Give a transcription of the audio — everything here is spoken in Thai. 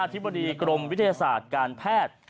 ธิบดีกรมวิทยาศาสตร์การแพทย์